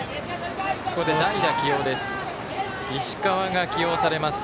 ここで代打起用です。